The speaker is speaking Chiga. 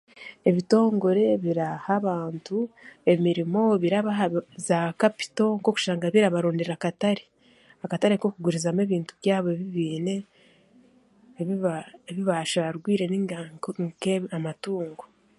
Ebitongore biraaha abantu emirimo birabaha za kapito nk'okushanga barabaronderamu akatare akatare k'okugurizamu ebintu byabo bibine ebi ba ebi basharwire nainga nka amatungo